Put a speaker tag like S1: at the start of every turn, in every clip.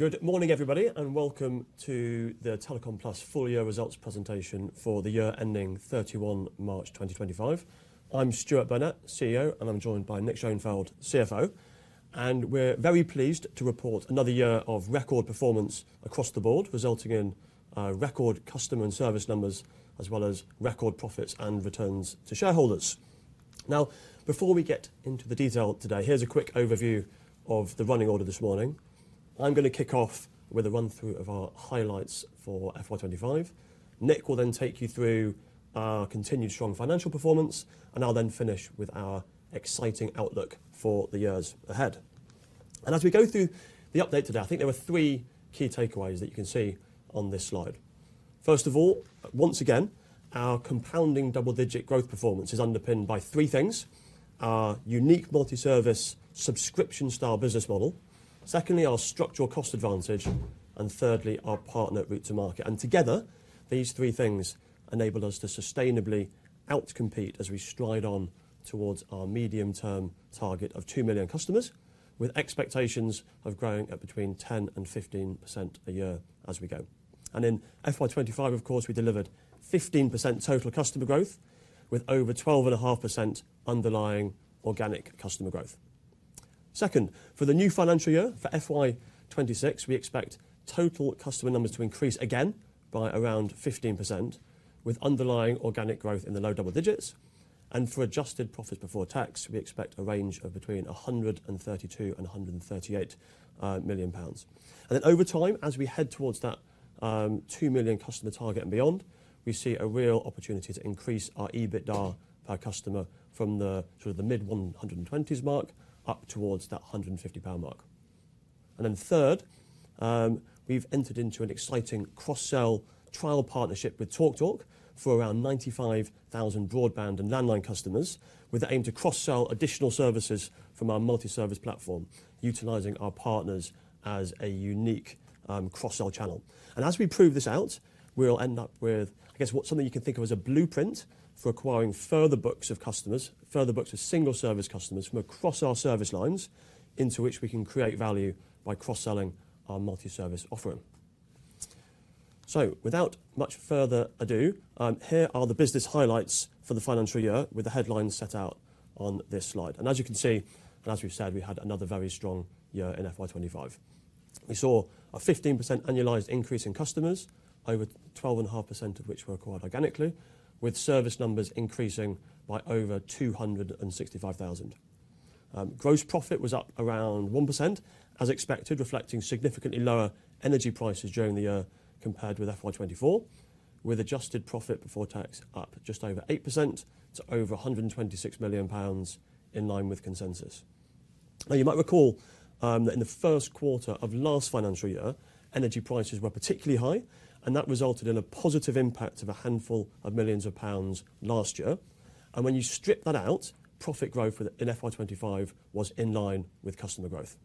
S1: Good morning, everybody, and welcome to the Telecom Plus PLC Full-Year Results presentation for the year ending 31 March 2025. I'm Stuart Burnett, CEO, and I'm joined by Nick Schoenfeld, CFO. We're very pleased to report another year of record performance across the board, resulting in record customer and service numbers, as well as record profits and returns to shareholders. Now, before we get into the detail today, here's a quick overview of the running order this morning. I'm going to kick off with a run-through of our highlights for FY25. Nick will then take you through our continued strong financial performance, and I'll then finish with our exciting outlook for the years ahead. As we go through the update today, I think there are three key takeaways that you can see on this slide. First of all, once again, our compounding double-digit growth performance is underpinned by three things: our unique multi-service subscription-style business model, secondly, our structural cost advantage, and thirdly, our partner route to market. Together, these three things enable us to sustainably outcompete as we stride on towards our medium-term target of 2 million customers, with expectations of growing at between 10% and 15% a year as we go. In FY2025, of course, we delivered 15% total customer growth, with over 12.5% underlying organic customer growth. Second, for the new financial year for FY2026, we expect total customer numbers to increase again by around 15%, with underlying organic growth in the low double digits. For adjusted profits before tax, we expect a range of between 132 million and 138 million pounds. Over time, as we head towards that 2 million customer target and beyond, we see a real opportunity to increase our EBITDA per customer from the sort of the mid-120s mark up towards that 150 pound mark. Third, we've entered into an exciting cross-sell trial partnership with TalkTalk for around 95,000 broadband and landline customers, with the aim to cross-sell additional services from our multi-service platform, utilizing our partners as a unique cross-sell channel. As we prove this out, we'll end up with, I guess, what is something you can think of as a blueprint for acquiring further books of customers, further books of single-service customers from across our service lines, into which we can create value by cross-selling our multi-service offering. Without much further ado, here are the business highlights for the financial year, with the headlines set out on this slide. As you can see, and as we have said, we had another very strong year in FY2025. We saw a 15% annualized increase in customers, over 12.5% of which were acquired organically, with service numbers increasing by over 265,000. Gross profit was up around 1%, as expected, reflecting significantly lower energy prices during the year compared with FY2024, with adjusted profit before tax up just over 8% to over 126 million pounds, in line with consensus. You might recall that in the first quarter of last financial year, energy prices were particularly high, and that resulted in a positive impact of a handful of millions of pounds last year. When you strip that out, profit growth in FY2025 was in line with customer growth.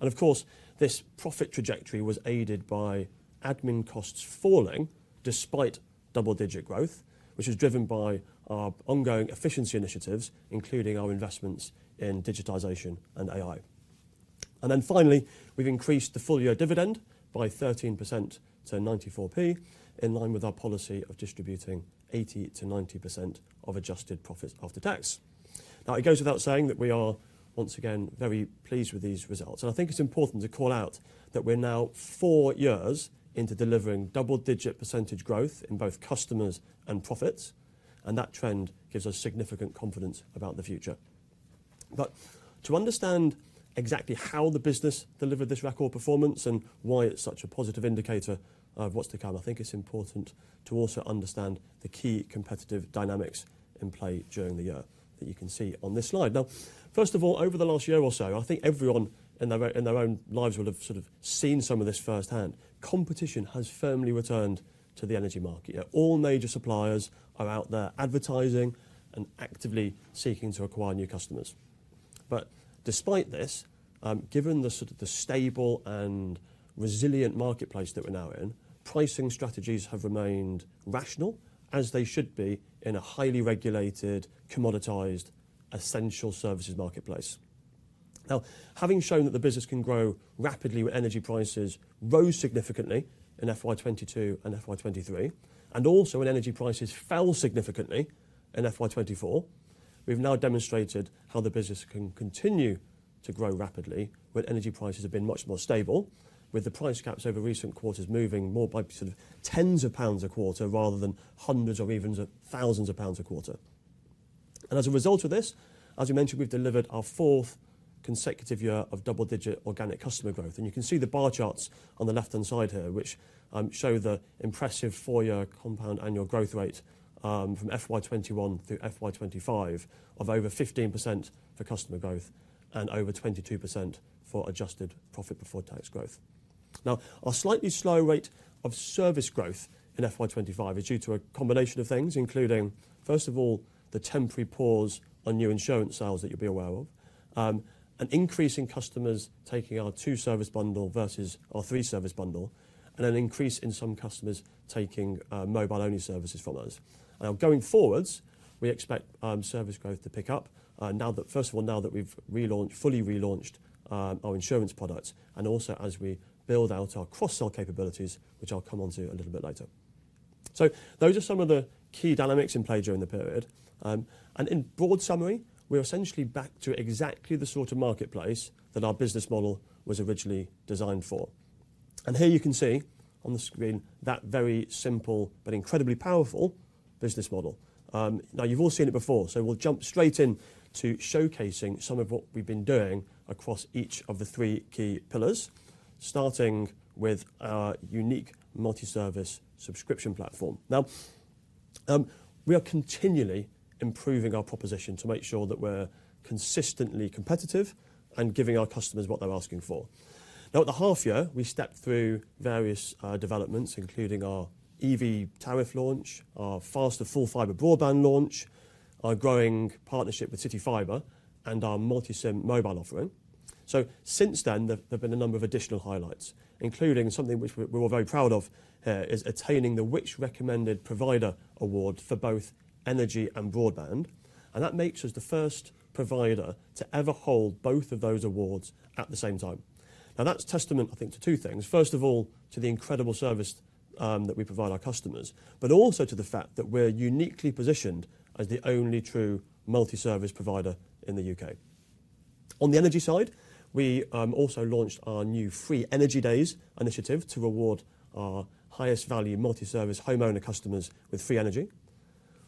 S1: Of course, this profit trajectory was aided by admin costs falling despite double-digit growth, which was driven by our ongoing efficiency initiatives, including our investments in digitization and AI. Finally, we've increased the full-year dividend by 13% to 0.94, in line with our policy of distributing 80-90% of adjusted profits after tax. It goes without saying that we are once again very pleased with these results. I think it's important to call out that we're now four years into delivering double-digit percentage growth in both customers and profits, and that trend gives us significant confidence about the future. To understand exactly how the business delivered this record performance and why it's such a positive indicator of what's to come, I think it's important to also understand the key competitive dynamics in play during the year that you can see on this slide. First of all, over the last year or so, I think everyone in their own lives will have sort of seen some of this firsthand. Competition has firmly returned to the energy market. All major suppliers are out there advertising and actively seeking to acquire new customers. Despite this, given the sort of stable and resilient marketplace that we're now in, pricing strategies have remained rational, as they should be in a highly regulated, commoditized, essential services marketplace. Now, having shown that the business can grow rapidly with energy prices rose significantly in FY 2022 and FY 2023, and also when energy prices fell significantly in FY 2024, we've now demonstrated how the business can continue to grow rapidly when energy prices have been much more stable, with the price caps over recent quarters moving more by sort of tens of GBP a quarter rather than hundreds or even thousands of GBP a quarter. As a result of this, as we mentioned, we've delivered our fourth consecutive year of double-digit organic customer growth. You can see the bar charts on the left-hand side here, which show the impressive four-year compound annual growth rate from FY2021 through FY2025 of over 15% for customer growth and over 22% for adjusted profit before tax growth. Now, our slightly slow rate of service growth in FY2025 is due to a combination of things, including, first of all, the temporary pause on new insurance sales that you'll be aware of, an increase in customers taking our two-service bundle versus our three-service bundle, and an increase in some customers taking mobile-only services from us. Going forwards, we expect service growth to pick up, first of all, now that we've fully relaunched our insurance products, and also as we build out our cross-sell capabilities, which I'll come on to a little bit later. Those are some of the key dynamics in play during the period. In broad summary, we're essentially back to exactly the sort of marketplace that our business model was originally designed for. Here you can see on the screen that very simple but incredibly powerful business model. Now, you've all seen it before, so we'll jump straight in to showcasing some of what we've been doing across each of the three key pillars, starting with our unique multi-service subscription platform. Now, we are continually improving our proposition to make sure that we're consistently competitive and giving our customers what they're asking for. Now, over the half year, we stepped through various developments, including our EV tariff launch, our faster full-fiber broadband launch, our growing partnership with CityFibre, and our multi-SIM mobile offering. Since then, there have been a number of additional highlights, including something which we're all very proud of here, is attaining the Which? Recommended Provider Award for both energy and broadband. That makes us the first provider to ever hold both of those awards at the same time. Now, that's a testament, I think, to two things. First of all, to the incredible service that we provide our customers, but also to the fact that we're uniquely positioned as the only true multi-service provider in the U.K. On the energy side, we also launched our new Free Energy Days initiative to reward our highest value multi-service homeowner customers with free energy.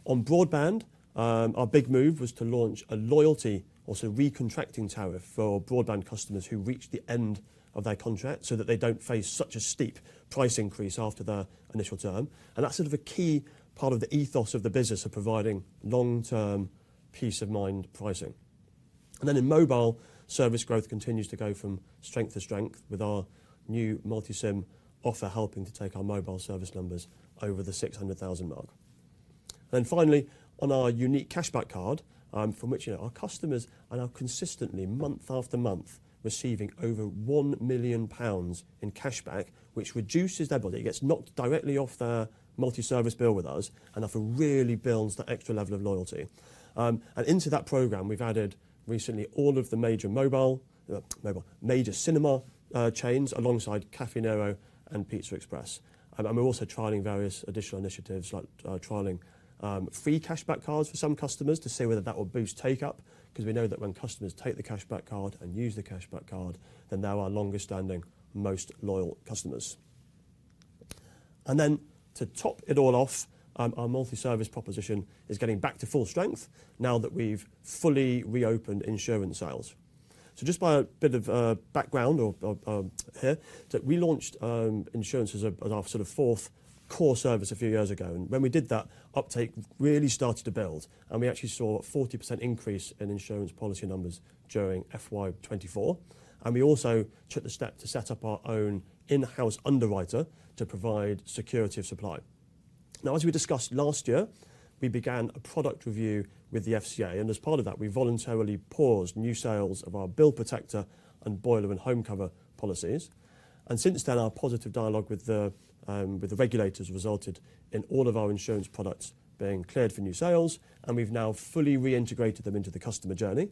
S1: On broadband, our big move was to launch a loyalty, also recontracting tariff, for broadband customers who reach the end of their contract so that they don't face such a steep price increase after their initial term. That is sort of a key part of the ethos of the business of providing long-term peace of mind pricing. In mobile, service growth continues to go from strength to strength, with our new multi-SIM offer helping to take our mobile service numbers over the 600,000 mark. Finally, on our unique cashback card, our customers are now consistently, month after month, receiving over 1 million pounds in cashback, which reduces their budget. It gets knocked directly off their multi-service bill with us, and therefore really builds that extra level of loyalty. Into that program, we have added recently all of the major cinema chains alongside Café Nero and Pizza Express. We are also trialing various additional initiatives, like trialing free cashback cards for some customers to see whether that will boost take-up, because we know that when customers take the cashback card and use the cashback card, they are our longest-standing, most loyal customers. To top it all off, our multi-service proposition is getting back to full strength now that we have fully reopened insurance sales. Just by a bit of background here, we launched insurance as our sort of fourth core service a few years ago. When we did that, uptake really started to build, and we actually saw a 40% increase in insurance policy numbers during FY2024. We also took the step to set up our own in-house underwriter to provide security of supply. Now, as we discussed last year, we began a product review with the FCA, and as part of that, we voluntarily paused new sales of our bill protector and boiler and home cover policies. Since then, our positive dialogue with the regulators resulted in all of our insurance products being cleared for new sales, and we've now fully reintegrated them into the customer journey,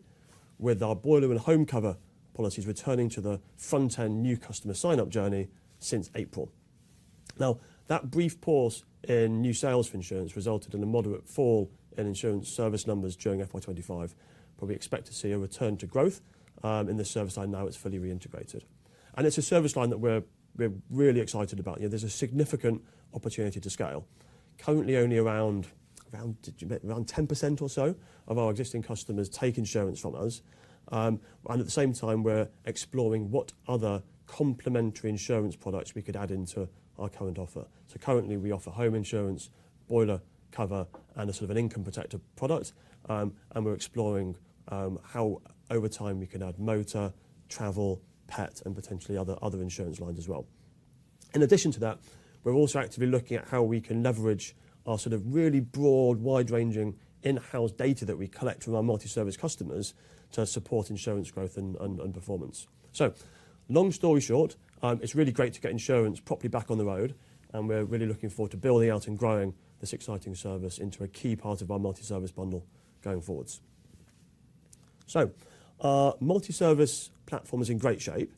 S1: with our boiler and home cover policies returning to the front-end new customer sign-up journey since April. Now, that brief pause in new sales for insurance resulted in a moderate fall in insurance service numbers during FY2025, but we expect to see a return to growth in the service line now it's fully reintegrated. It is a service line that we're really excited about. There's a significant opportunity to scale. Currently, only around 10% or so of our existing customers take insurance from us. At the same time, we're exploring what other complementary insurance products we could add into our current offer. Currently, we offer home insurance, boiler cover, and a sort of an income protector product. We're exploring how over time we can add motor, travel, pet, and potentially other insurance lines as well. In addition to that, we're also actively looking at how we can leverage our sort of really broad, wide-ranging in-house data that we collect from our multi-service customers to support insurance growth and performance. Long story short, it's really great to get insurance properly back on the road, and we're really looking forward to building out and growing this exciting service into a key part of our multi-service bundle going forwards. Our multi-service platform is in great shape,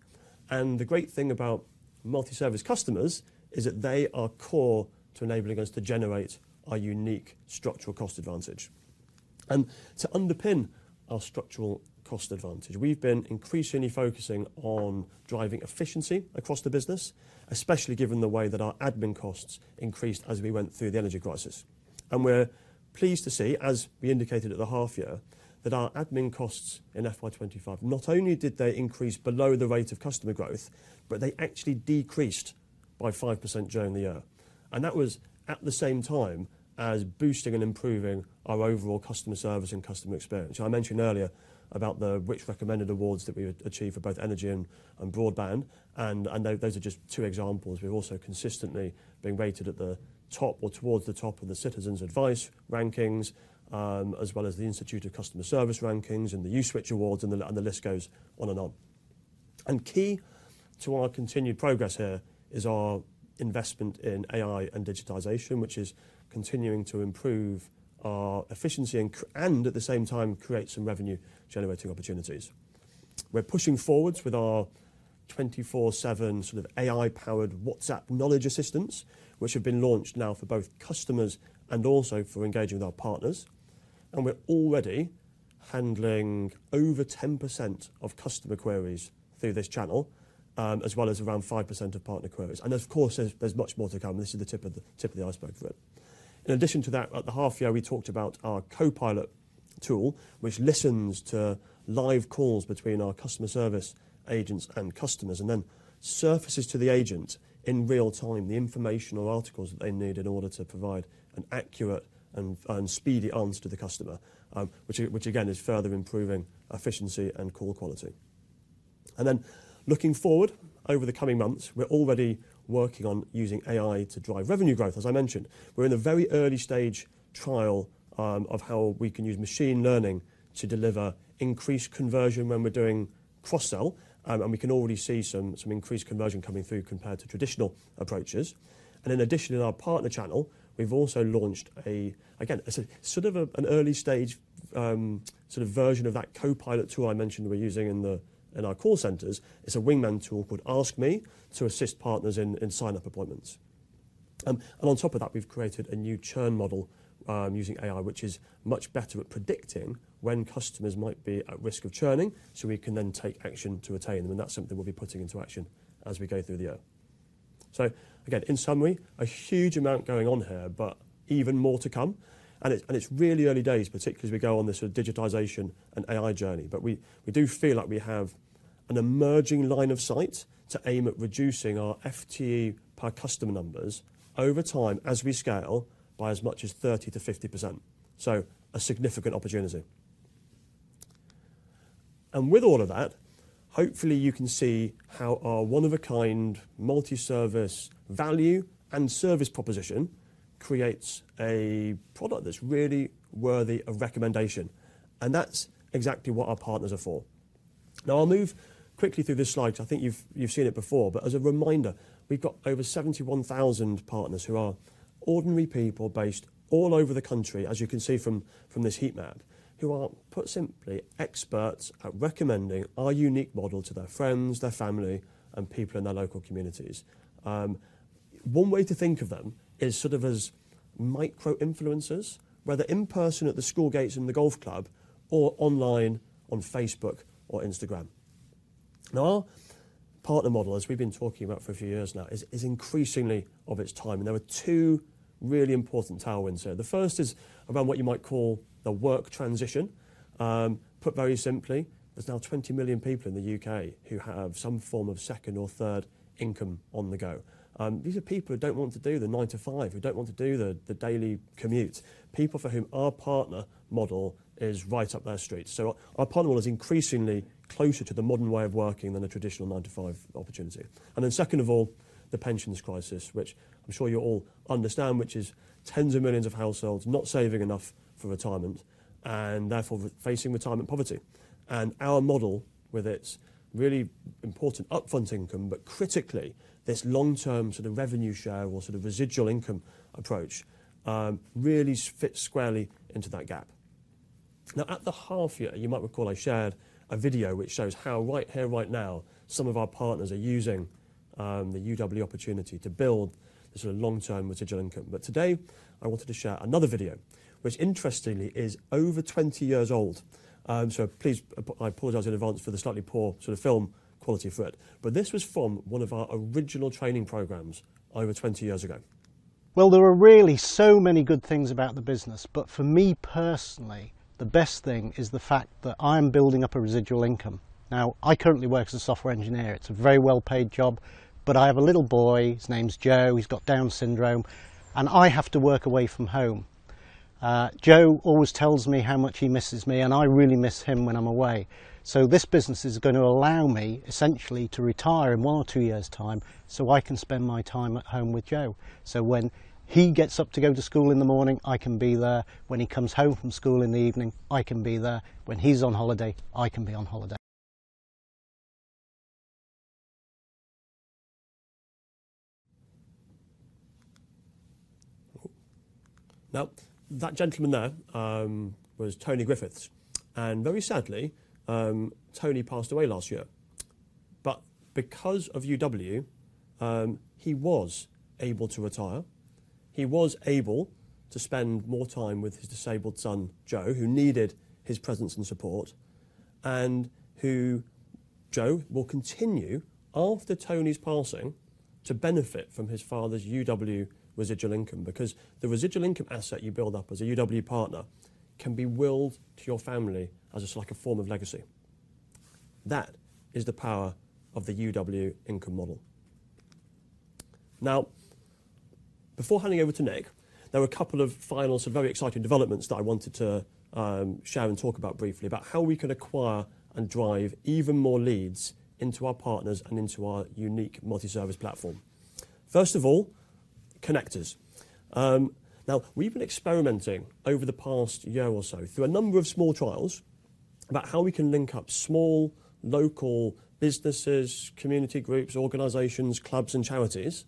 S1: and the great thing about multi-service customers is that they are core to enabling us to generate our unique structural cost advantage. To underpin our structural cost advantage, we've been increasingly focusing on driving efficiency across the business, especially given the way that our admin costs increased as we went through the energy crisis. We're pleased to see, as we indicated at the half year, that our admin costs in FY25 not only did they increase below the rate of customer growth, but they actually decreased by 5% during the year. That was at the same time as boosting and improving our overall customer service and customer experience. I mentioned earlier about the Which Recommended Awards that we achieved for both energy and broadband, and those are just two examples. We've also consistently been rated at the top or towards the top of the Citizens Advice rankings, as well as the Institute of Customer Service rankings and the Uswitch Awards, and the list goes on and on. Key to our continued progress here is our investment in AI and digitization, which is continuing to improve our efficiency and, at the same time, create some revenue-generating opportunities. We're pushing forwards with our 24/7 sort of AI-powered WhatsApp knowledge assistants, which have been launched now for both customers and also for engaging with our partners. We're already handling over 10% of customer queries through this channel, as well as around 5% of partner queries. Of course, there's much more to come. This is the tip of the iceberg for it. In addition to that, at the half year, we talked about our Copilot tool, which listens to live calls between our customer service agents and customers, and then surfaces to the agent in real time the information or articles that they need in order to provide an accurate and speedy answer to the customer, which again is further improving efficiency and call quality. Looking forward over the coming months, we're already working on using AI to drive revenue growth. As I mentioned, we're in a very early stage trial of how we can use machine learning to deliver increased conversion when we're doing cross-sell, and we can already see some increased conversion coming through compared to traditional approaches. In addition, in our partner channel, we've also launched, again, sort of an early stage sort of version of that Copilot tool I mentioned we're using in our call centers. It's a Wingman tool called Ask Me to assist partners in sign-up appointments. On top of that, we've created a new churn model using AI, which is much better at predicting when customers might be at risk of churning, so we can then take action to retain them. That's something we'll be putting into action as we go through the year. Again, in summary, a huge amount going on here, but even more to come. It is really early days, particularly as we go on this digitization and AI journey, but we do feel like we have an emerging line of sight to aim at reducing our FTE per customer numbers over time as we scale by as much as 30-50%. A significant opportunity. With all of that, hopefully you can see how our one-of-a-kind multi-service value and service proposition creates a product that is really worthy of recommendation. That is exactly what our partners are for. Now, I will move quickly through this slide, because I think you have seen it before, but as a reminder, we have got over 71,000 partners who are ordinary people based all over the country, as you can see from this heat map, who are, put simply, experts at recommending our unique model to their friends, their family, and people in their local communities. One way to think of them is sort of as micro-influencers, whether in person at the school gates, in the golf club, or online on Facebook or Instagram. Now, our partner model, as we've been talking about for a few years now, is increasingly of its time. There are two really important tailwinds here. The first is around what you might call the work transition. Put very simply, there are now 20 million people in the U.K. who have some form of second or third income on the go. These are people who do not want to do the 9 to 5, who do not want to do the daily commute, people for whom our partner model is right up their street. Our partner model is increasingly closer to the modern way of working than a traditional 9 to 5 opportunity. Second of all, the pensions crisis, which I'm sure you all understand, which is tens of millions of households not saving enough for retirement and therefore facing retirement poverty. Our model, with its really important upfront income, but critically, this long-term sort of revenue share or sort of residual income approach really fits squarely into that gap. At the half year, you might recall I shared a video which shows how right here right now some of our partners are using the UW opportunity to build the sort of long-term residual income. Today, I wanted to share another video, which interestingly is over 20 years old. Please, I apologize in advance for the slightly poor sort of film quality for it. This was from one of our original training programs over 20 years ago.
S2: There are really so many good things about the business, but for me personally, the best thing is the fact that I'm building up a residual income. I currently work as a software engineer. It's a very well-paid job, but I have a little boy. His name's Joe. He's got Down syndrome, and I have to work away from home. Joe always tells me how much he misses me, and I really miss him when I'm away. This business is going to allow me essentially to retire in one or two years' time so I can spend my time at home with Joe. When he gets up to go to school in the morning, I can be there. When he comes home from school in the evening, I can be there. When he's on holiday, I can be on holiday.
S1: Now, that gentleman there was Tony Griffiths. Very sadly, Tony passed away last year. Because of UW, he was able to retire. He was able to spend more time with his disabled son, Joe, who needed his presence and support, and who Joe will continue after Tony's passing to benefit from his father's UW residual income, because the residual income asset you build up as a UW partner can be willed to your family as a form of legacy. That is the power of the UW income model. Now, before handing over to Nick, there were a couple of final sort of very exciting developments that I wanted to share and talk about briefly, about how we can acquire and drive even more leads into our partners and into our unique multi-service platform. First of all, connectors. Now, we've been experimenting over the past year or so through a number of small trials about how we can link up small local businesses, community groups, organizations, clubs, and charities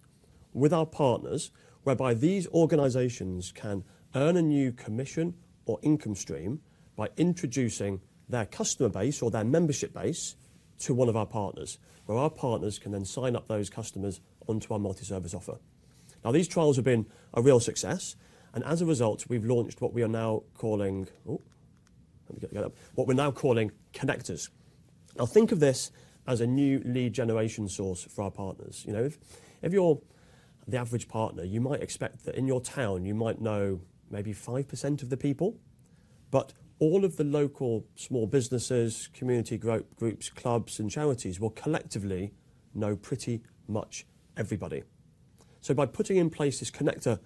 S1: with our partners, whereby these organizations can earn a new commission or income stream by introducing their customer base or their membership base to one of our partners, where our partners can then sign up those customers onto our multi-service offer. Now, these trials have been a real success, and as a result, we've launched what we are now calling, what we're now calling, connectors. Now, think of this as a new lead generation source for our partners. If you're the average partner, you might expect that in your town, you might know maybe 5% of the people, but all of the local small businesses, community groups, clubs, and charities will collectively know pretty much everybody. By putting in place this connector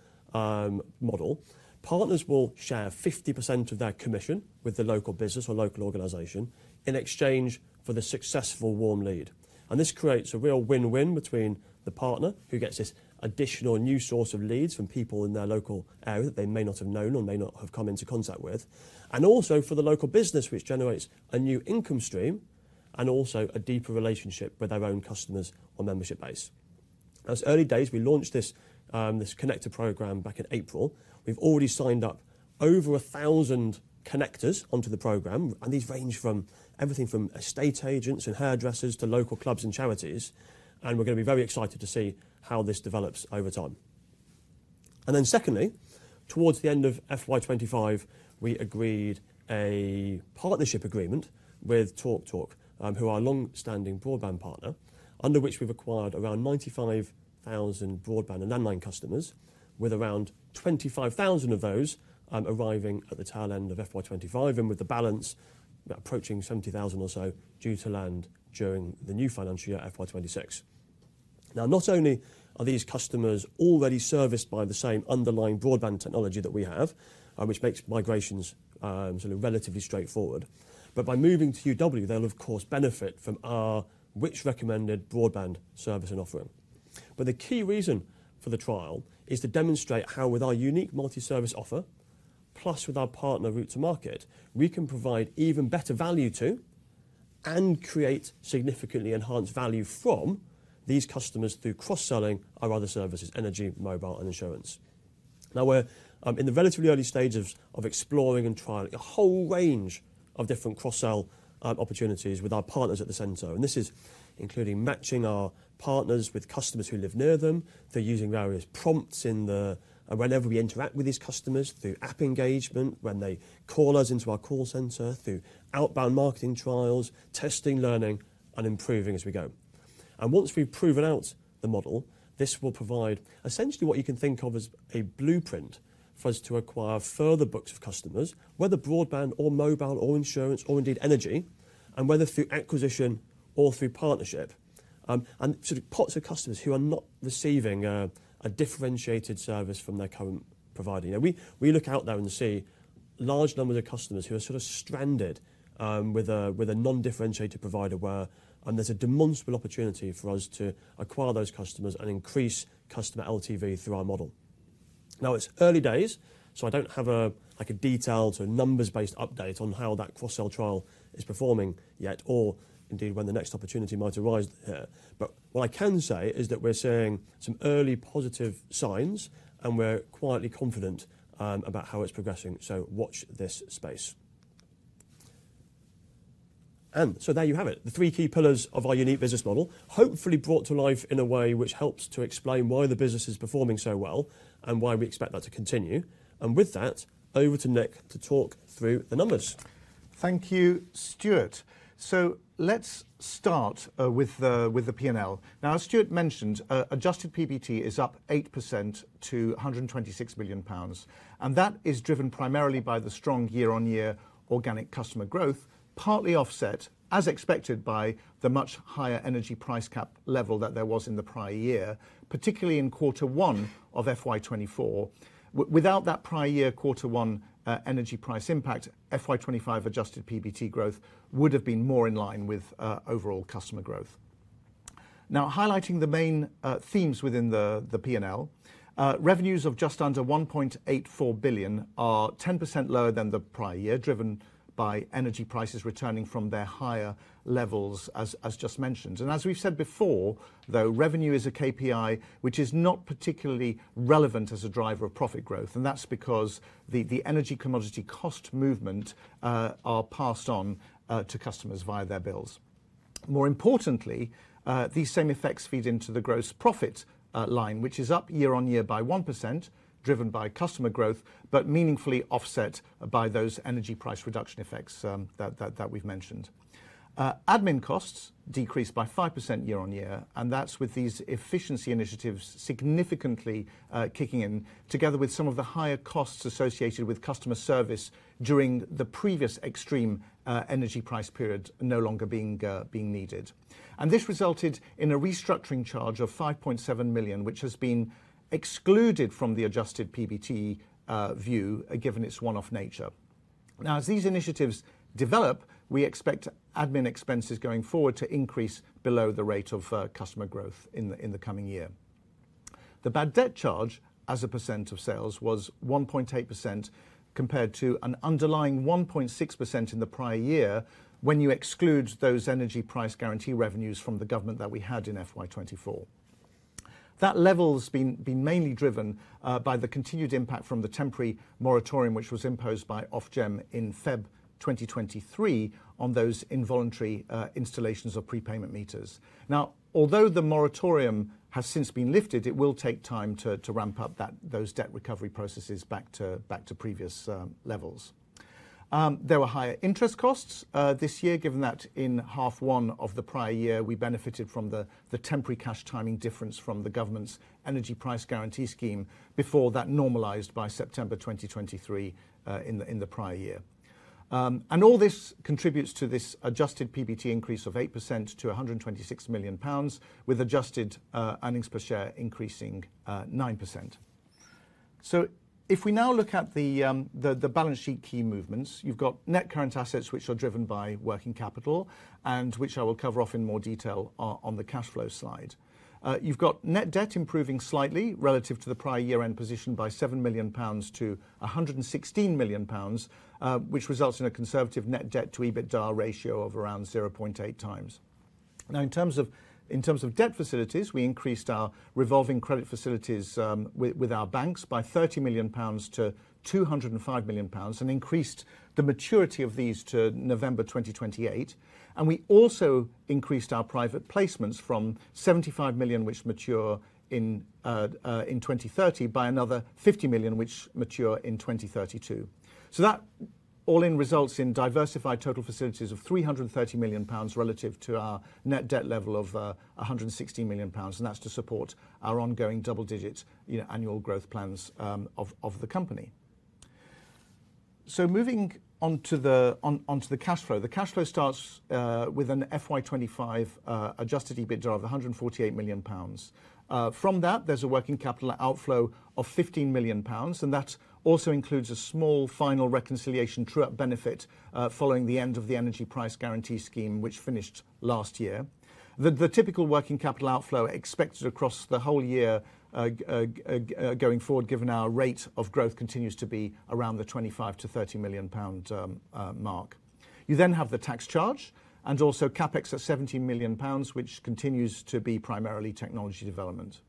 S1: model, partners will share 50% of their commission with the local business or local organization in exchange for the successful warm lead. This creates a real win-win between the partner who gets this additional new source of leads from people in their local area that they may not have known or may not have come into contact with, and also for the local business, which generates a new income stream and also a deeper relationship with their own customers or membership base. Now, it's early days. We launched this connector program back in April. We've already signed up over 1,000 connectors onto the program, and these range from everything from estate agents and hairdressers to local clubs and charities. We're going to be very excited to see how this develops over time. Secondly, towards the end of FY2025, we agreed a partnership agreement with TalkTalk, who are a long-standing broadband partner, under which we have acquired around 95,000 broadband and landline customers, with around 25,000 of those arriving at the tail end of FY2025 and with the balance approaching 70,000 or so due to land during the new financial year FY2026. Not only are these customers already serviced by the same underlying broadband technology that we have, which makes migrations sort of relatively straightforward, but by moving to UW, they will, of course, benefit from our Which Recommended Broadband service and offering. The key reason for the trial is to demonstrate how, with our unique multi-service offer, plus with our partner route to market, we can provide even better value to and create significantly enhanced value from these customers through cross-selling our other services: energy, mobile, and insurance. Now, we're in the relatively early stage of exploring and trialing a whole range of different cross-sell opportunities with our partners at the center. This is including matching our partners with customers who live near them, through using various prompts whenever we interact with these customers, through app engagement, when they call us into our call center, through outbound marketing trials, testing, learning, and improving as we go. Once we've proven out the model, this will provide essentially what you can think of as a blueprint for us to acquire further books of customers, whether broadband or mobile or insurance or indeed energy, and whether through acquisition or through partnership, and sort of pots of customers who are not receiving a differentiated service from their current provider. We look out there and see large numbers of customers who are sort of stranded with a non-differentiated provider, where there is a demonstrable opportunity for us to acquire those customers and increase customer LTV through our model. Now, it is early days, so I do not have a detailed sort of numbers-based update on how that cross-sell trial is performing yet or indeed when the next opportunity might arise. What I can say is that we are seeing some early positive signs, and we are quietly confident about how it is progressing. Watch this space. There you have it, the three key pillars of our unique business model, hopefully brought to life in a way which helps to explain why the business is performing so well and why we expect that to continue. With that, over to Nick to talk through the numbers.
S3: Thank you, Stuart. Let's start with the P&L. Now, as Stuart mentioned, adjusted PBT is up 8% to 126 million pounds. That is driven primarily by the strong year-on-year organic customer growth, partly offset, as expected, by the much higher energy price cap level that there was in the prior year, particularly in quarter one of FY2024. Without that prior year quarter one energy price impact, FY2025 adjusted PBT growth would have been more in line with overall customer growth. Now, highlighting the main themes within the P&L, revenues of just under 1.84 billion are 10% lower than the prior year, driven by energy prices returning from their higher levels, as just mentioned. As we have said before, though, revenue is a KPI which is not particularly relevant as a driver of profit growth, and that is because the energy commodity cost movements are passed on to customers via their bills. More importantly, these same effects feed into the gross profit line, which is up year-on-year by 1%, driven by customer growth, but meaningfully offset by those energy price reduction effects that we have mentioned. Admin costs decreased by 5% year-on-year, and that is with these efficiency initiatives significantly kicking in, together with some of the higher costs associated with customer service during the previous extreme energy price period no longer being needed. This resulted in a restructuring charge of 5.7 million, which has been excluded from the adjusted PBT view, given its one-off nature. Now, as these initiatives develop, we expect admin expenses going forward to increase below the rate of customer growth in the coming year. The bad debt charge as a % of sales was 1.8% compared to an underlying 1.6% in the prior year when you exclude those energy price guarantee revenues from the government that we had in FY2024. That level has been mainly driven by the continued impact from the temporary moratorium which was imposed by Ofgem in February 2023 on those involuntary installations of prepayment meters. Now, although the moratorium has since been lifted, it will take time to ramp up those debt recovery processes back to previous levels. There were higher interest costs this year, given that in half one of the prior year, we benefited from the temporary cash timing difference from the government's energy price guarantee scheme before that normalized by September 2023 in the prior year. All this contributes to this adjusted PBT increase of 8% to 126 million pounds, with adjusted earnings per share increasing 9%. If we now look at the balance sheet key movements, you have net current assets, which are driven by working capital and which I will cover off in more detail on the cash flow slide. You have net debt improving slightly relative to the prior year-end position by 7 million pounds to 116 million pounds, which results in a conservative net debt to EBITDA ratio of around 0.8 times. Now, in terms of debt facilities, we increased our revolving credit facilities with our banks by 30 million pounds to 205 million pounds and increased the maturity of these to November 2028. We also increased our private placements from 75 million, which mature in 2030, by another 50 million, which mature in 2032. That all in results in diversified total facilities of 330 million pounds relative to our net debt level of 116 million pounds, and that's to support our ongoing double-digit annual growth plans of the company. Moving onto the cash flow, the cash flow starts with an FY25 adjusted EBITDA of 148 million pounds. From that, there's a working capital outflow of 15 million pounds, and that also includes a small final reconciliation true-up benefit following the end of the energy price guarantee scheme, which finished last year. The typical working capital outflow expected across the whole year going forward, given our rate of growth, continues to be around the 25 million-30 million pound mark. You then have the tax charge and also CapEx at 17 million pounds, which continues to be primarily technology development.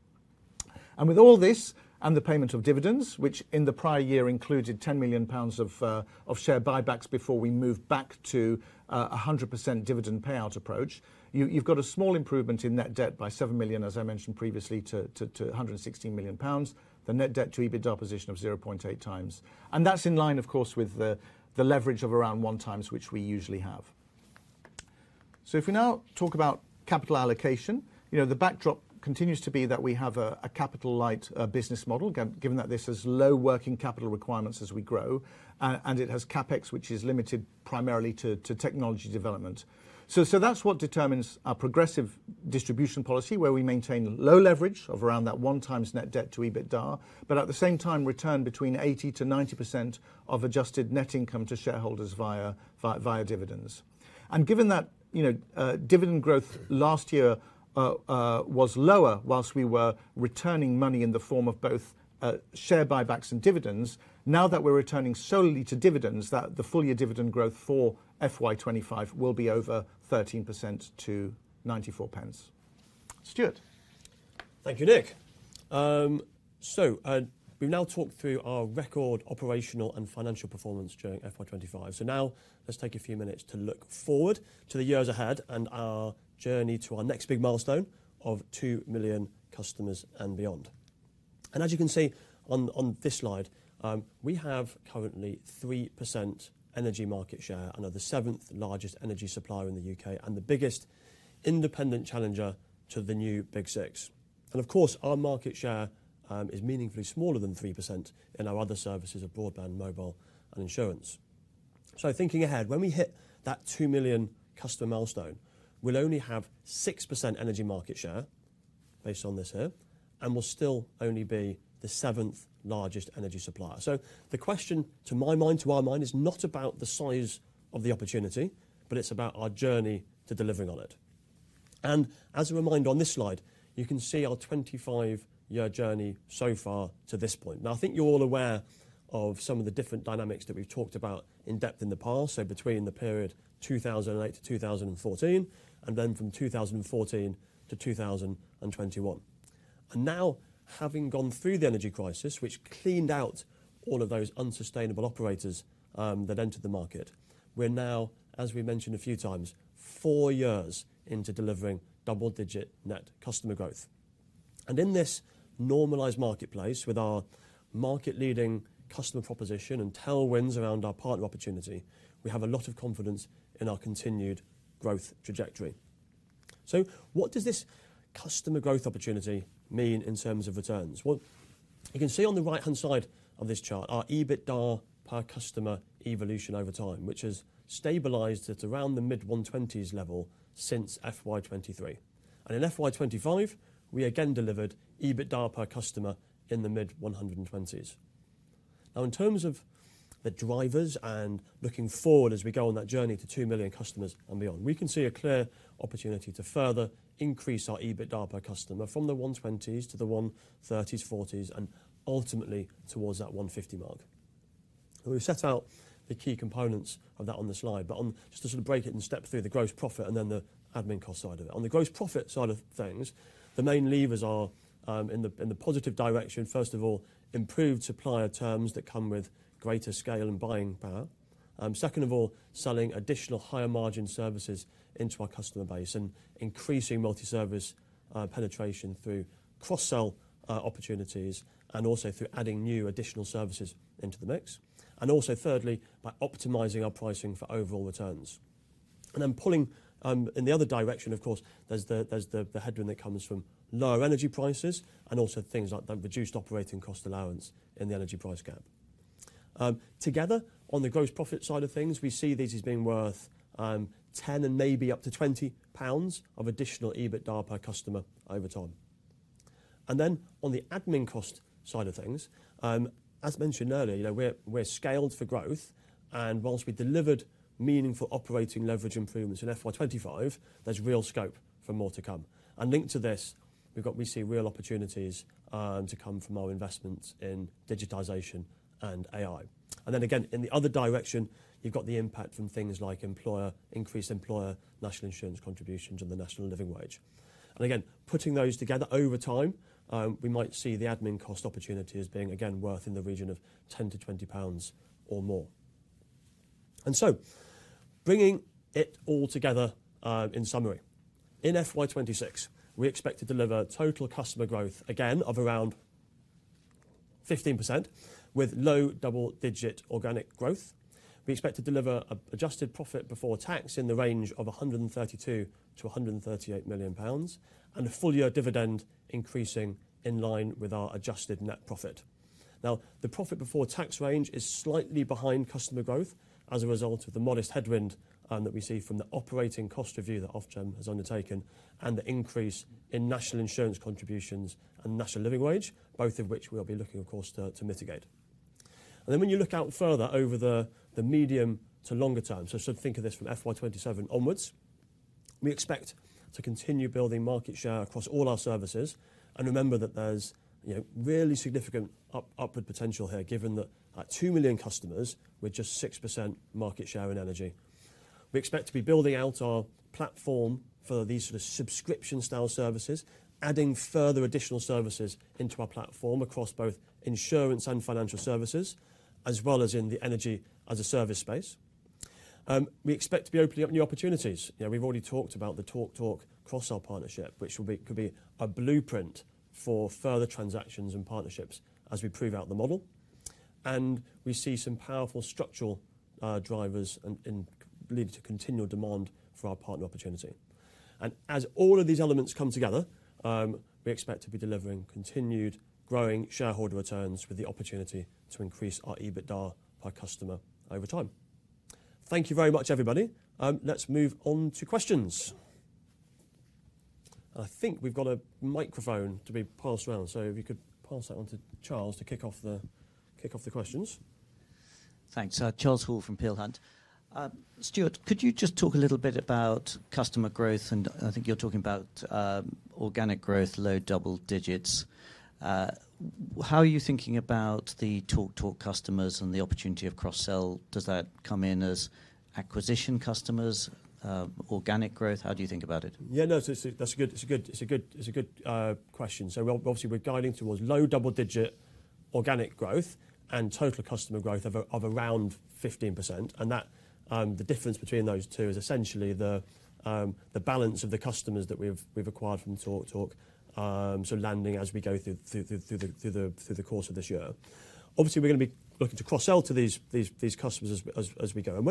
S3: With all this and the payment of dividends, which in the prior year included 10 million pounds of share buybacks before we moved back to a 100% dividend payout approach, you have a small improvement in net debt by 7 million, as I mentioned previously, to 116 million pounds, the net debt to EBITDA position of 0.8 times. That is in line, of course, with the leverage of around 1 times, which we usually have. If we now talk about capital allocation, the backdrop continues to be that we have a capital-light business model, given that this has low working capital requirements as we grow, and it has CapEx, which is limited primarily to technology development. That is what determines our progressive distribution policy, where we maintain low leverage of around that 1 times net debt to EBITDA, but at the same time, return between 80-90% of adjusted net income to shareholders via dividends. Given that dividend growth last year was lower whilst we were returning money in the form of both share buybacks and dividends, now that we are returning solely to dividends, the full year dividend growth for FY2025 will be over 13% to 0.94. Stuart.
S1: Thank you, Nick. We have now talked through our record operational and financial performance during FY2025. Now let's take a few minutes to look forward to the years ahead and our journey to our next big milestone of 2 million customers and beyond. As you can see on this slide, we have currently 3% energy market share, are the seventh largest energy supplier in the U.K., and the biggest independent challenger to the new Big Six. Of course, our market share is meaningfully smaller than 3% in our other services of broadband, mobile, and insurance. Thinking ahead, when we hit that 2 million customer milestone, we'll only have 6% energy market share based on this here, and we'll still only be the seventh largest energy supplier. The question to my mind, to our mind, is not about the size of the opportunity, but it's about our journey to delivering on it. As a reminder, on this slide, you can see our 25-year journey so far to this point. I think you're all aware of some of the different dynamics that we've talked about in depth in the past, between the period 2008 to 2014 and then from 2014 to 2021. Now, having gone through the energy crisis, which cleaned out all of those unsustainable operators that entered the market, we're now, as we mentioned a few times, four years into delivering double-digit net customer growth. In this normalized marketplace with our market-leading customer proposition and tailwinds around our partner opportunity, we have a lot of confidence in our continued growth trajectory. What does this customer growth opportunity mean in terms of returns? You can see on the right-hand side of this chart our EBITDA per customer evolution over time, which has stabilized at around the mid-120s level since FY2023. In FY2025, we again delivered EBITDA per customer in the mid-120s. Now, in terms of the drivers and looking forward as we go on that journey to 2 million customers and beyond, we can see a clear opportunity to further increase our EBITDA per customer from the 120s to the 130s, 140s, and ultimately towards that 150 mark. We've set out the key components of that on the slide, but just to sort of break it and step through the gross profit and then the admin cost side of it. On the gross profit side of things, the main levers are in the positive direction. First of all, improved supplier terms that come with greater scale and buying power. Second of all, selling additional higher margin services into our customer base and increasing multi-service penetration through cross-sell opportunities and also through adding new additional services into the mix. Thirdly, by optimizing our pricing for overall returns. Pulling in the other direction, of course, there's the headwind that comes from lower energy prices and also things like that reduced operating cost allowance in the energy price cap. Together, on the gross profit side of things, we see these as being worth 10 and maybe up to 20 pounds of additional EBITDA per customer over time. On the admin cost side of things, as mentioned earlier, we're scaled for growth, and whilst we delivered meaningful operating leverage improvements in FY2025, there's real scope for more to come. Linked to this, we see real opportunities to come from our investments in digitization and AI. In the other direction, you've got the impact from things like increased employer national insurance contributions and the national living wage. Putting those together over time, we might see the admin cost opportunity as being worth in the region of 10-20 pounds or more. Bringing it all together in summary, in FY2026, we expect to deliver total customer growth of around 15% with low double-digit organic growth. We expect to deliver adjusted profit before tax in the range of 132 to 138 million pounds and a full year dividend increasing in line with our adjusted net profit. Now, the profit before tax range is slightly behind customer growth as a result of the modest headwind that we see from the operating cost review that Ofgem has undertaken and the increase in national insurance contributions and national living wage, both of which we'll be looking, of course, to mitigate. When you look out further over the medium to longer term, so sort of think of this from FY2027 onwards, we expect to continue building market share across all our services. Remember that there's really significant upward potential here, given that at 2 million customers, we're just 6% market share in energy. We expect to be building out our platform for these sort of subscription-style services, adding further additional services into our platform across both insurance and financial services, as well as in the energy as a service space. We expect to be opening up new opportunities. We've already talked about the TalkTalk cross-sell partnership, which could be a blueprint for further transactions and partnerships as we prove out the model. We see some powerful structural drivers leading to continual demand for our partner opportunity. As all of these elements come together, we expect to be delivering continued growing shareholder returns with the opportunity to increase our EBITDA per customer over time. Thank you very much, everybody. Let's move on to questions. I think we've got a microphone to be passed around, so if you could pass that on to Charles to kick off the questions.
S4: Thanks. Charles Hall from Peel Hunt LLP. Stuart, could you just talk a little bit about customer growth? I think you're talking about organic growth, low double digits. How are you thinking about the TalkTalk customers and the opportunity of cross-sell? Does that come in as acquisition customers, organic growth? How do you think about it?
S1: Yeah, no, that's a good question. Obviously, we're guiding towards low double-digit organic growth and total customer growth of around 15%. The difference between those two is essentially the balance of the customers that we've acquired from TalkTalk, sort of landing as we go through the course of this year. Obviously, we're going to be looking to cross-sell to these customers as we go.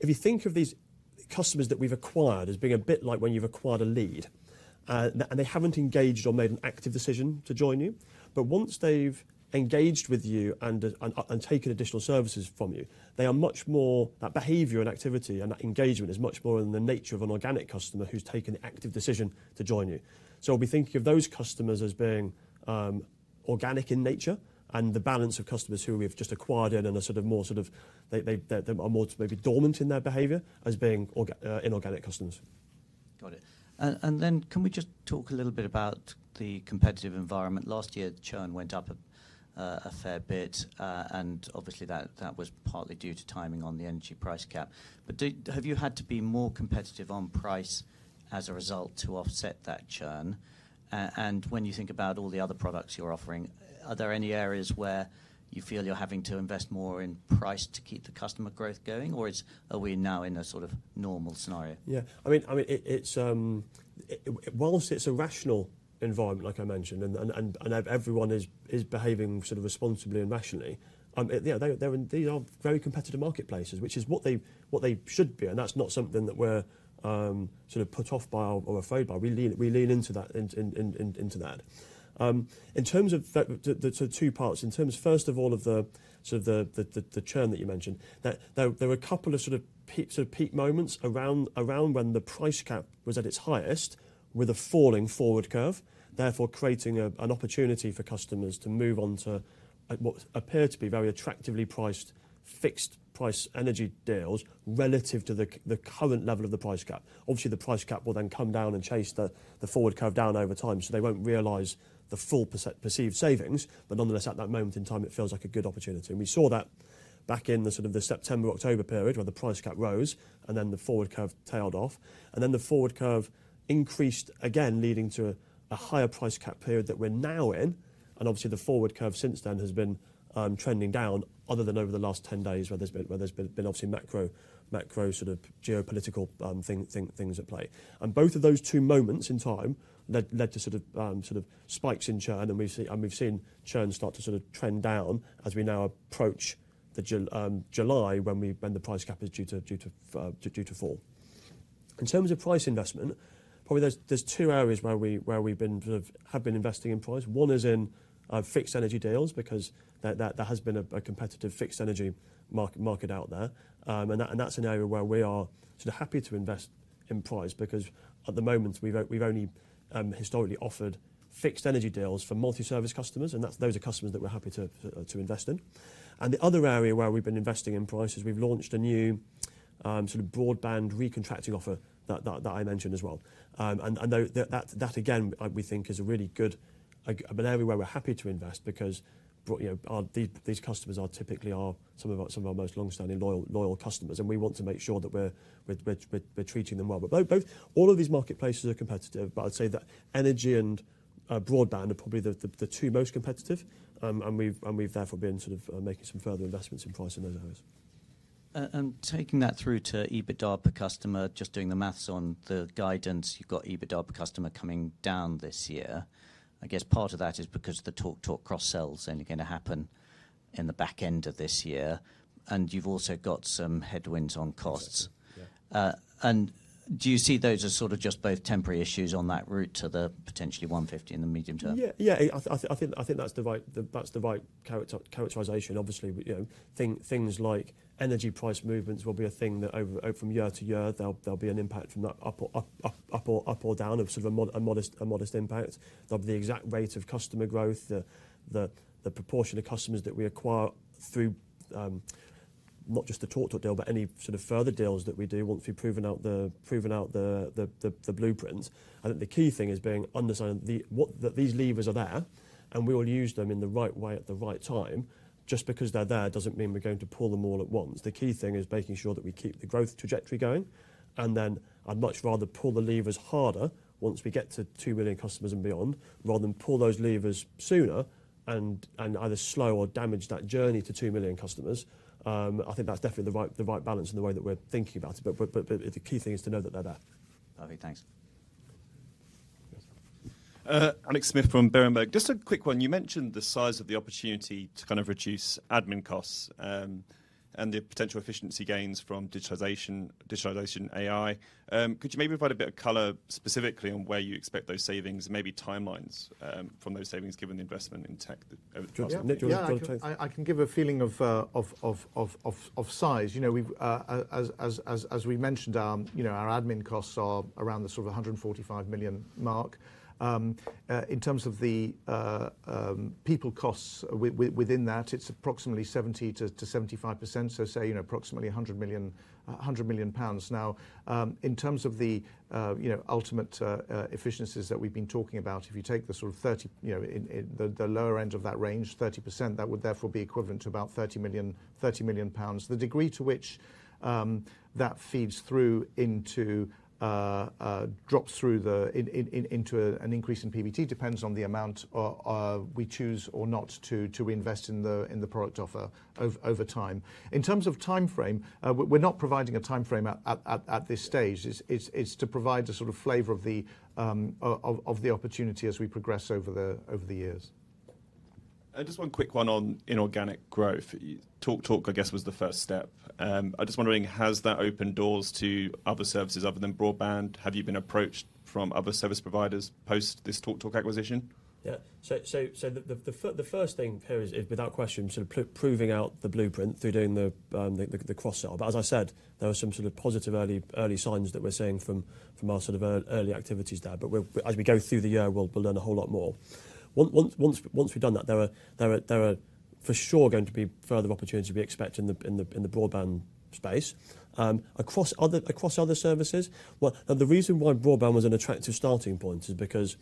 S1: If you think of these customers that we've acquired as being a bit like when you've acquired a lead and they haven't engaged or made an active decision to join you, but once they've engaged with you and taken additional services from you, that behavior and activity and that engagement is much more in the nature of an organic customer who's taken the active decision to join you. We'll be thinking of those customers as being organic in nature and the balance of customers who we've just acquired in a sort of more sort of they are more maybe dormant in their behavior as being inorganic customers.
S4: Got it. Can we just talk a little bit about the competitive environment? Last year, churn went up a fair bit, and obviously, that was partly due to timing on the energy price cap. Have you had to be more competitive on price as a result to offset that churn? When you think about all the other products you're offering, are there any areas where you feel you're having to invest more in price to keep the customer growth going, or are we now in a sort of normal scenario?
S1: Yeah, I mean, whilst it's a rational environment, like I mentioned, and everyone is behaving sort of responsibly and rationally, these are very competitive marketplaces, which is what they should be. That's not something that we're sort of put off by or afraid by. We lean into that. In terms of the two parts, in terms first of all of the sort of the churn that you mentioned, there were a couple of sort of peak moments around when the price cap was at its highest with a falling forward curve, therefore creating an opportunity for customers to move on to what appeared to be very attractively priced fixed price energy deals relative to the current level of the price cap. Obviously, the price cap will then come down and chase the forward curve down over time, so they will not realize the full perceived savings, but nonetheless, at that moment in time, it feels like a good opportunity. We saw that back in the sort of the September-October period where the price cap rose and then the forward curve tailed off. The forward curve increased again, leading to a higher price cap period that we are now in. Obviously, the forward curve since then has been trending down other than over the last 10 days where there have been macro sort of geopolitical things at play. Both of those two moments in time led to spikes in churn, and we have seen churn start to trend down as we now approach July when the price cap is due to fall. In terms of price investment, probably there are two areas where we have been investing in price. One is in fixed energy deals because there has been a competitive fixed energy market out there. That is an area where we are sort of happy to invest in price because at the moment, we have only historically offered fixed energy deals for multi-service customers, and those are customers that we are happy to invest in. The other area where we have been investing in price is we have launched a new sort of broadband recontracting offer that I mentioned as well. That, again, we think is a really good, an area where we are happy to invest because these customers are typically some of our most long-standing loyal customers, and we want to make sure that we are treating them well. All of these marketplaces are competitive, but I would say that energy and broadband are probably the two most competitive, and we have therefore been sort of making some further investments in price in those areas.
S4: Taking that through to EBITDA per customer, just doing the maths on the guidance, you've got EBITDA per customer coming down this year. I guess part of that is because the TalkTalk cross-sell is only going to happen in the back end of this year, and you've also got some headwinds on costs. Do you see those as sort of just both temporary issues on that route to the potentially 150 in the medium term?
S1: Yeah, yeah, I think that's the right characterization. Obviously, things like energy price movements will be a thing that from year to year, there'll be an impact from that up or down of sort of a modest impact. There'll be the exact rate of customer growth, the proportion of customers that we acquire through not just the TalkTalk deal, but any sort of further deals that we do once we've proven out the blueprint. I think the key thing is being understanding that these levers are there, and we will use them in the right way at the right time. Just because they're there doesn't mean we're going to pull them all at once. The key thing is making sure that we keep the growth trajectory going, and then I'd much rather pull the levers harder once we get to 2 million customers and beyond, rather than pull those levers sooner and either slow or damage that journey to 2 million customers. I think that's definitely the right balance in the way that we're thinking about it, but the key thing is to know that they're there.
S4: Perfect, thanks.
S5: Alex Smith from Berenberg. Just a quick one. You mentioned the size of the opportunity to kind of reduce admin costs and the potential efficiency gains from digitization, AI. Could you maybe provide a bit of color specifically on where you expect those savings, maybe timelines from those savings given the investment in tech?
S1: I can give a feeling of size. As we mentioned, our admin costs are around the sort of 145 million mark. In terms of the people costs within that, it's approximately 70%-75%, so say approximately 100 million. Now, in terms of the ultimate efficiencies that we've been talking about, if you take the sort of 30, the lower end of that range, 30%, that would therefore be equivalent to about 30 million. The degree to which that feeds through into, drops through into, an increase in PBT depends on the amount we choose or not to reinvest in the product offer over time. In terms of timeframe, we're not providing a timeframe at this stage. It's to provide a sort of flavor of the opportunity as we progress over the years.
S5: Just one quick one on inorganic growth. TalkTalk, I guess, was the first step. I'm just wondering, has that opened doors to other services other than broadband? Have you been approached from other service providers post this TalkTalk acquisition?
S1: Yeah, so the first thing here is, without question, sort of proving out the blueprint through doing the cross-sell. As I said, there were some sort of positive early signs that we're seeing from our sort of early activities there, but as we go through the year, we'll learn a whole lot more. Once we've done that, there are for sure going to be further opportunities we expect in the broadband space. Across other services, the reason why broadband was an attractive starting point is because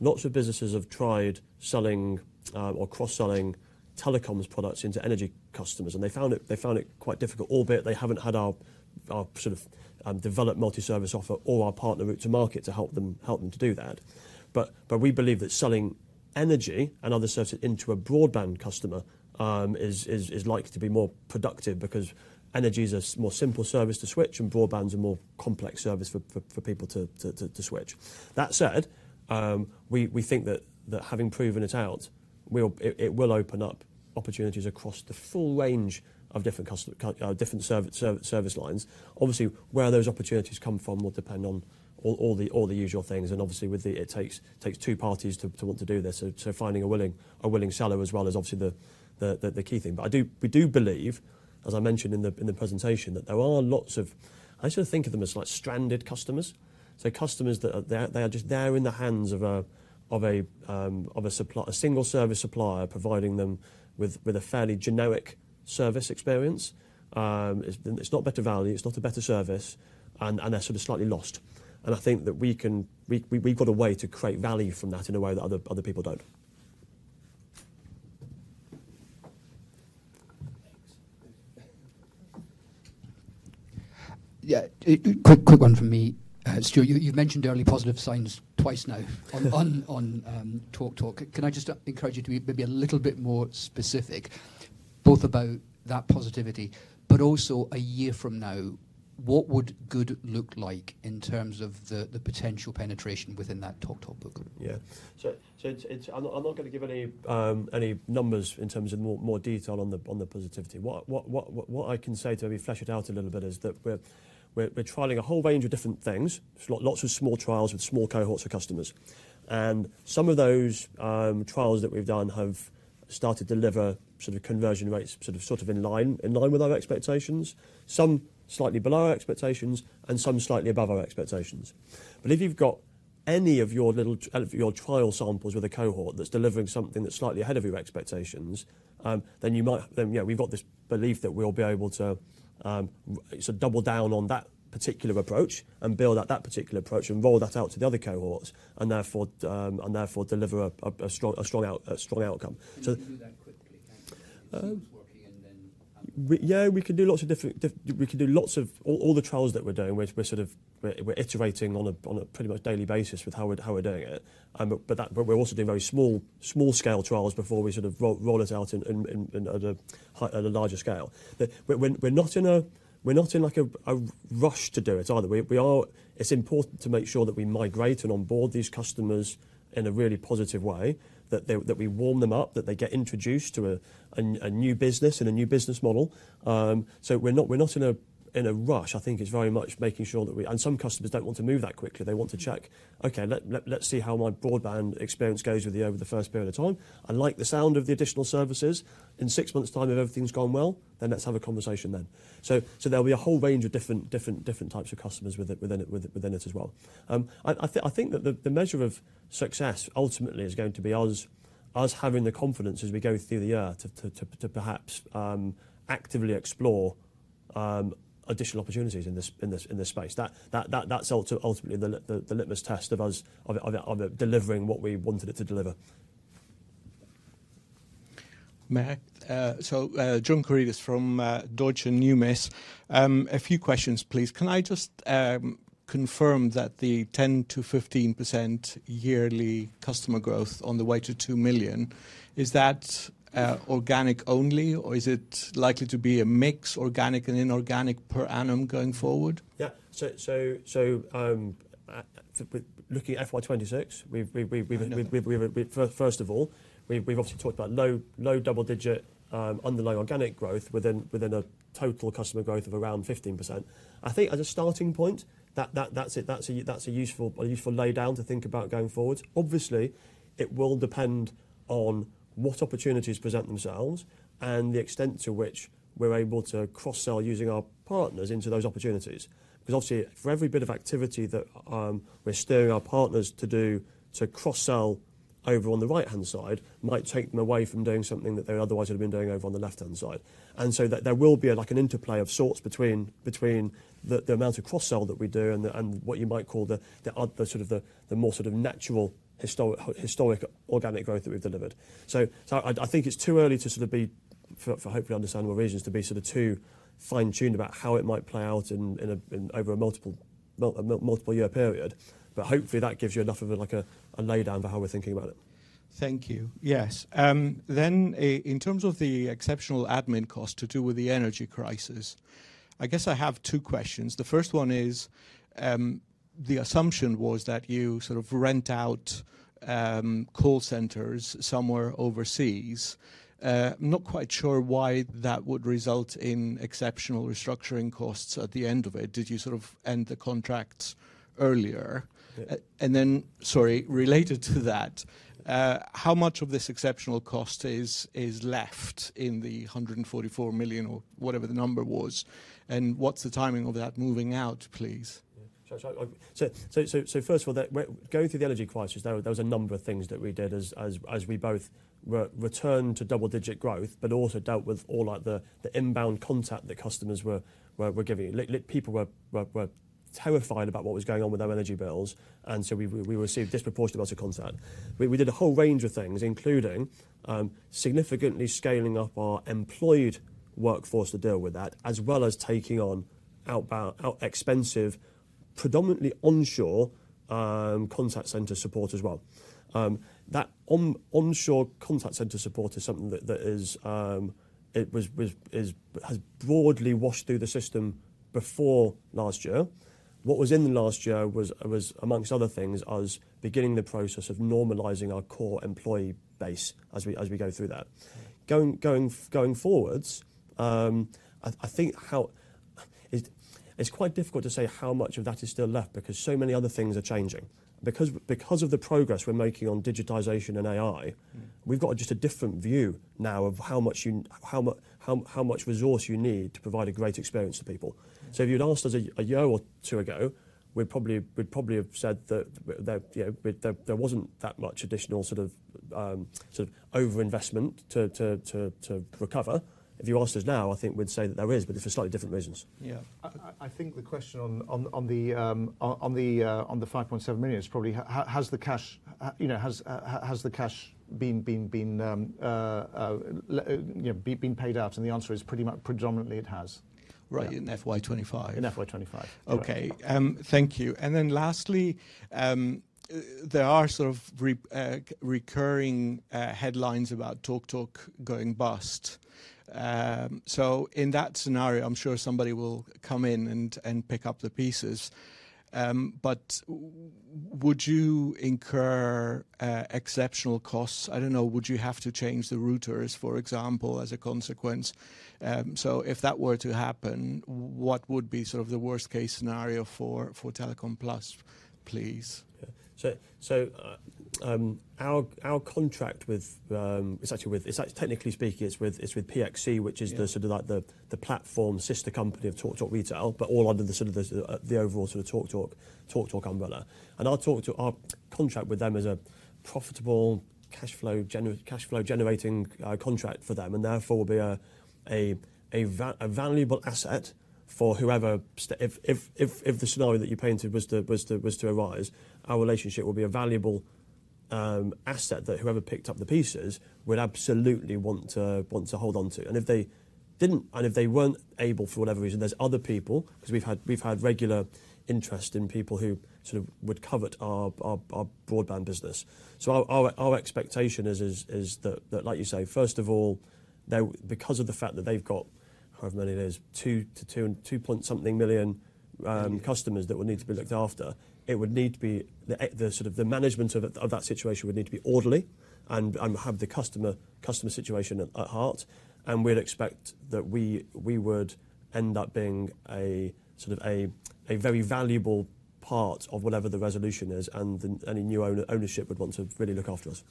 S1: lots of businesses have tried selling or cross-selling telecoms products into energy customers, and they found it quite difficult, albeit they haven't had our sort of developed multi-service offer or our partner route to market to help them to do that. We believe that selling energy and other services into a broadband customer is likely to be more productive because energy is a more simple service to switch, and broadband is a more complex service for people to switch. That said, we think that having proven it out, it will open up opportunities across the full range of different service lines. Obviously, where those opportunities come from will depend on all the usual things, and obviously, it takes two parties to want to do this. Finding a willing seller as well is obviously the key thing. We do believe, as I mentioned in the presentation, that there are lots of, I sort of think of them as like stranded customers. Customers that they are just there in the hands of a single service supplier providing them with a fairly generic service experience. It's not better value, it's not a better service, and they're sort of slightly lost. I think that we've got a way to create value from that in a way that other people don't.
S6: Yeah, quick one from me. Stuart, you've mentioned early positive signs twice now on TalkTalk. Can I just encourage you to be maybe a little bit more specific, both about that positivity, but also a year from now, what would good look like in terms of the potential penetration within that TalkTalk book?
S1: Yeah, so I'm not going to give any numbers in terms of more detail on the positivity. What I can say to have you fleshed it out a little bit is that we're trialing a whole range of different things, lots of small trials with small cohorts of customers. Some of those trials that we've done have started to deliver sort of conversion rates sort of in line with our expectations, some slightly below our expectations, and some slightly above our expectations. If you've got any of your trial samples with a cohort that's delivering something that's slightly ahead of your expectations, then you might, yeah, we've got this belief that we'll be able to sort of double down on that particular approach and build out that particular approach and roll that out to the other cohorts and therefore deliver a strong outcome. Yeah, we can do lots of different, we can do lots of all the trials that we're doing, we're sort of iterating on a pretty much daily basis with how we're doing it. We're also doing very small-scale trials before we sort of roll it out at a larger scale. We're not in a rush to do it either. It's important to make sure that we migrate and onboard these customers in a really positive way, that we warm them up, that they get introduced to a new business and a new business model. We are not in a rush. I think it's very much making sure that we and some customers do not want to move that quickly. They want to check, "Okay, let's see how my broadband experience goes with you over the first period of time. I like the sound of the additional services. In six months' time, if everything's gone well, then let's have a conversation then." There will be a whole range of different types of customers within it as well. I think that the measure of success ultimately is going to be us having the confidence as we go through the year to perhaps actively explore additional opportunities in this space. That's ultimately the litmus test of us delivering what we wanted it to deliver.
S7: John Chris from Deutsche Numis, a few questions, please. Can I just confirm that the 10-15% yearly customer growth on the way to 2 million, is that organic only, or is it likely to be a mix of organic and inorganic per annum going forward?
S1: Yeah, looking at FY2026, first of all, we've obviously talked about low double-digit underlying organic growth within a total customer growth of around 15%. I think as a starting point, that's a useful lay down to think about going forward. Obviously, it will depend on what opportunities present themselves and the extent to which we're able to cross-sell using our partners into those opportunities. Because obviously, for every bit of activity that we're steering our partners to do to cross-sell over on the right-hand side might take them away from doing something that they otherwise would have been doing over on the left-hand side. There will be like an interplay of sorts between the amount of cross-sell that we do and what you might call the sort of the more sort of natural historic organic growth that we've delivered. I think it's too early to sort of be, for hopefully understandable reasons, to be sort of too fine-tuned about how it might play out over a multiple-year period. Hopefully, that gives you enough of a lay down for how we're thinking about it.
S7: Thank you. Yes. In terms of the exceptional admin cost to do with the energy crisis, I guess I have two questions. The first one is the assumption was that you sort of rent out call centers somewhere overseas. I'm not quite sure why that would result in exceptional restructuring costs at the end of it. Did you sort of end the contracts earlier? Sorry, related to that, how much of this exceptional cost is left in the 144 million or whatever the number was? What's the timing of that moving out, please?
S1: First of all, going through the energy crisis, there was a number of things that we did as we both returned to double-digit growth, but also dealt with all the inbound contact that customers were giving. People were terrified about what was going on with their energy bills, and we received disproportionate amounts of contact. We did a whole range of things, including significantly scaling up our employed workforce to deal with that, as well as taking on outbound, expensive, predominantly onshore contact center support as well. That onshore contact center support is something that has broadly washed through the system before last year. What was in last year was, amongst other things, us beginning the process of normalizing our core employee base as we go through that. Going forwards, I think it's quite difficult to say how much of that is still left because so many other things are changing. Because of the progress we're making on digitization and AI, we've got just a different view now of how much resource you need to provide a great experience to people. If you'd asked us a year or two ago, we'd probably have said that there wasn't that much additional sort of over-investment to recover. If you asked us now, I think we'd say that there is, but it's for slightly different reasons. Yeah, I think the question on the 5.7 million is probably, has the cash been paid out? The answer is pretty much predominantly it has. Right, in FY2025. In FY2025.
S7: Okay, thank you. Lastly, there are sort of recurring headlines about TalkTalk going bust. In that scenario, I'm sure somebody will come in and pick up the pieces. Would you incur exceptional costs? I don't know, would you have to change the routers, for example, as a consequence? If that were to happen, what would be sort of the worst-case scenario for Telecom Plus PLC, please?
S1: Our contract with, it's actually with, technically speaking, it's with PXC, which is sort of like the platform sister company of TalkTalk Retail, but all under the overall sort of TalkTalk umbrella. Our contract with them is a profitable cash flow generating contract for them, and therefore will be a valuable asset for whoever, if the scenario that you painted was to arise, our relationship will be a valuable asset that whoever picked up the pieces would absolutely want to hold on to. If they didn't, and if they weren't able for whatever reason, there's other people, because we've had regular interest in people who sort of would covet our broadband business. Our expectation is that, like you say, first of all, because of the fact that they've got, however many it is, two point something million customers that would need to be looked after, it would need to be the sort of the management of that situation would need to be orderly and have the customer situation at heart. We'd expect that we would end up being a sort of a very valuable part of whatever the resolution is, and any new ownership would want to really look after us.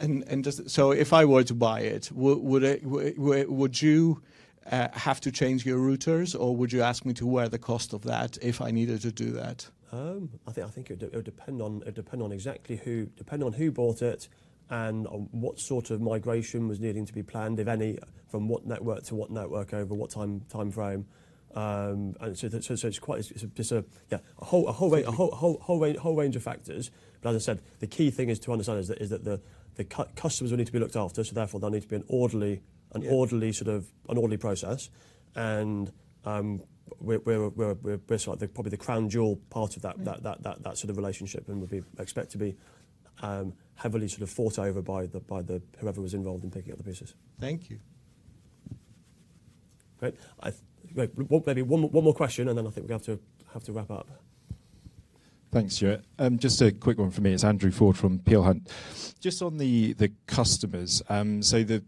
S7: If I were to buy it, would you have to change your routers, or would you ask me to wear the cost of that if I needed to do that?
S1: I think it would depend on exactly who, depending on who bought it and what sort of migration was needing to be planned, if any, from what network to what network over what time frame. It is quite just a whole range of factors. As I said, the key thing to understand is that the customers will need to be looked after, so therefore there will need to be an orderly sort of process. We are probably the crown jewel part of that sort of relationship and would be expected to be heavily fought over by whoever was involved in picking up the pieces. Thank you. Great. Maybe one more question, and then I think we will have to wrap up.
S8: Thanks, Stuart. Just a quick one from me. It is Andrew Ford from Peel Hunt. Just on the customers, so obviously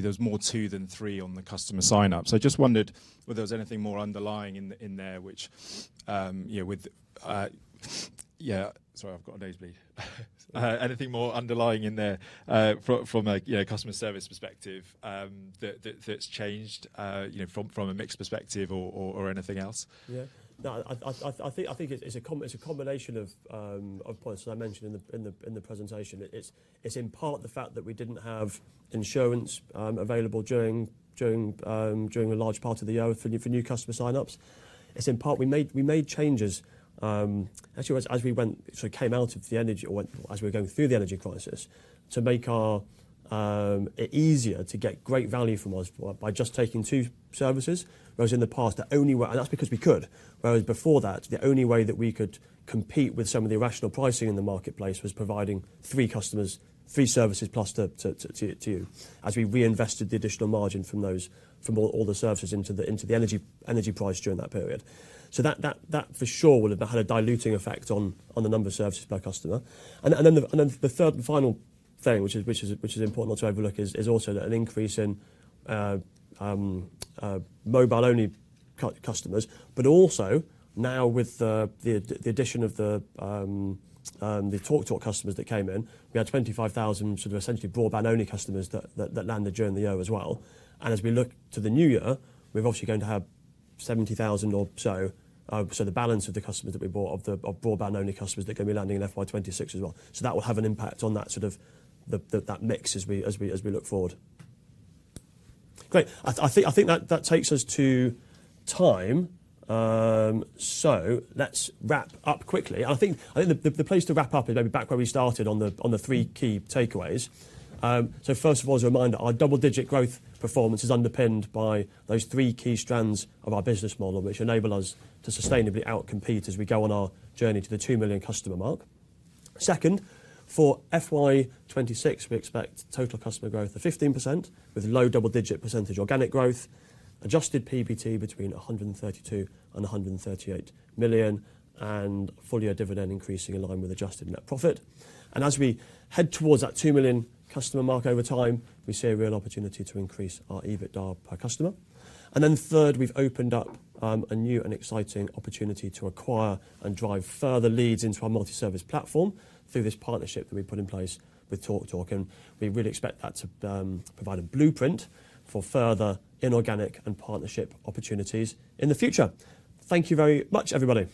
S8: there's more two than three on the customer sign-up. I just wondered whether there was anything more underlying in there which, yeah, sorry, I've got a nosebleed. Anything more underlying in there from a customer service perspective that's changed from a mixed perspective or anything else?
S1: Yeah, no, I think it's a combination of points that I mentioned in the presentation. It's in part the fact that we didn't have insurance available during a large part of the year for new customer sign-ups. It's in part we made changes, actually, as we came out of the energy, or as we were going through the energy crisis, to make it easier to get great value from us by just taking two services, whereas in the past, the only way, and that's because we could, whereas before that, the only way that we could compete with some of the irrational pricing in the marketplace was providing three services plus to you, as we reinvested the additional margin from all the services into the energy price during that period. That for sure would have had a diluting effect on the number of services per customer. The third and final thing, which is important not to overlook, is also an increase in mobile-only customers. But also now with the addition of the TalkTalk customers that came in, we had 25,000 sort of essentially broadband-only customers that landed during the year as well. As we look to the new year, we're obviously going to have 70,000 or so, so the balance of the customers that we bought of broadband-only customers that are going to be landing in FY2026 as well. That will have an impact on that sort of mix as we look forward. Great. I think that takes us to time. Let's wrap up quickly. I think the place to wrap up is maybe back where we started on the three key takeaways. First of all, as a reminder, our double-digit growth performance is underpinned by those three key strands of our business model, which enable us to sustainably outcompete as we go on our journey to the 2 million customer mark. Second, for FY2026, we expect total customer growth of 15% with low double-digit % organic growth, adjusted PBT between 132 million-138 million, and fully a dividend increasing aligned with adjusted net profit. As we head towards that 2 million customer mark over time, we see a real opportunity to increase our EBITDA per customer. Third, we have opened up a new and exciting opportunity to acquire and drive further leads into our multi-service platform through this partnership that we put in place with TalkTalk. We really expect that to provide a blueprint for further inorganic and partnership opportunities in the future. Thank you very much, everybody.